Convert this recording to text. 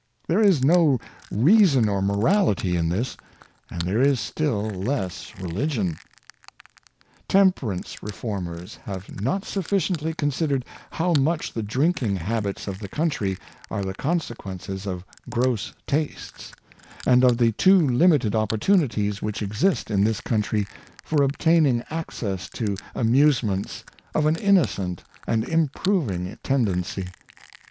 There is no reason or morality in this, and there is still less religion. Temperance reformers have not sufficiently consid ered how much the drinking habits of the country are the consequences of gross tastes, and of the too limited opportunities which exist in this country for obtaining access to amusements of an innocent and improving tendency.